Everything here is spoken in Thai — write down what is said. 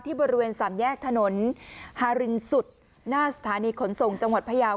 บริเวณสามแยกถนนฮารินสุดหน้าสถานีขนส่งจังหวัดพยาว